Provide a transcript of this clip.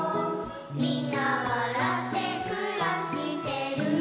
「みんなわらってくらしてる」